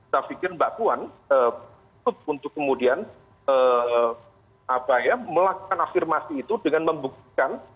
saya pikir mbak puan untuk kemudian melakukan afirmasi itu dengan membuktikan